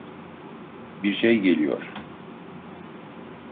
Bir şey geliyor.